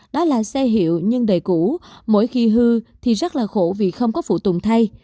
đó là xe hiệu nhưng đầy cũ mỗi khi hư thì rất là khổ vì không có phụ tùng thay